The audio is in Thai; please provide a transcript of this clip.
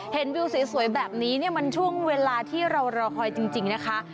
วิวสวยแบบนี้เนี่ยมันช่วงเวลาที่เรารอคอยจริงนะคะ